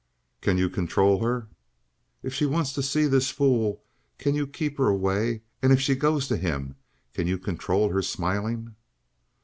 "Can you control her? If she wants to see this fool can you keep her away, and if she goes to him can you control her smiling?"